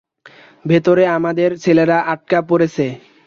ভেতরে আমাদের ছেলেরা আটকা পড়েছে।